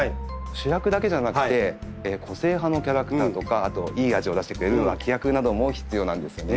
主役だけじゃなくて個性派のキャラクターとかあといい味を出してくれる脇役なども必要なんですよね。